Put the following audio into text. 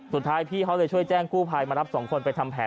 สุดท้ายพี่เขาเลยช่วยแจ้งคู่ภายมารับสองคนไปทำแผ่